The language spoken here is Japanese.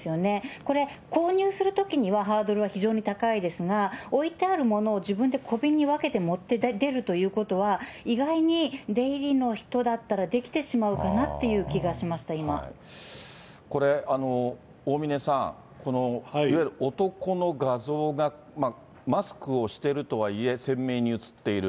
これ、購入するときにはハードルは非常に高いですが、置いてあるものを自分で小瓶に分けて持って出るということは、意外に出入りの人だったらできてしまうかなっていう気がしました、これ、大峯さん、このいわゆる男の画像がマスクをしているとはいえ、鮮明に写っている。